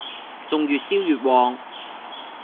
仲越燒越旺